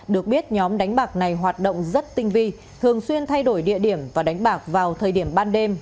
được biết nhóm đánh bạc này hoạt động rất tinh vi thường xuyên thay đổi địa điểm và đánh bạc vào thời điểm ban đêm